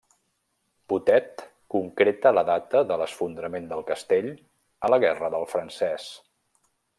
Botet concreta la data de l'esfondrament del castell a la Guerra del Francès.